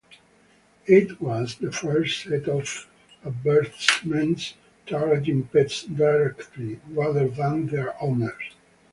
It was the first set of advertisements targeting pets directly, rather than their owners.